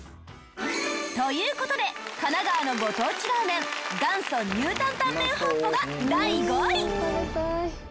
という事で神奈川のご当地ラーメン元祖ニュータンタンメン本舗が第５位。